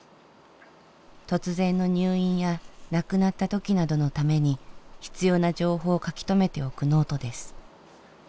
突然の入院や亡くなった時などのために必要な情報を書き留めておくノートです。